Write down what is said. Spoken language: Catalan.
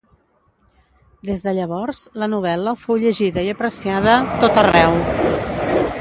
Des de llavors la novel·la fou llegida i apreciada tot arreu.